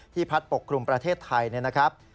พัดปกครุมประเทศไทยนะครับ